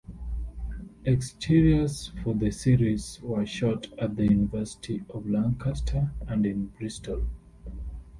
Exteriors for the series were shot at the University of Lancaster and in Bristol.